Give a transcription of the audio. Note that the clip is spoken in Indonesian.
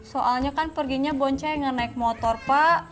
soalnya kan perginya boncay yang naik motor pak